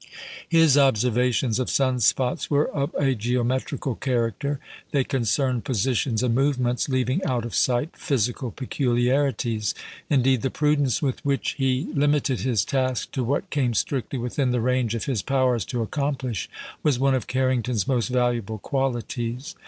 His observations of sun spots were of a geometrical character. They concerned positions and movements, leaving out of sight physical peculiarities. Indeed, the prudence with which he limited his task to what came strictly within the range of his powers to accomplish, was one of Carrington's most valuable qualities.